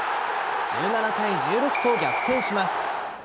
１７対１６と逆転します。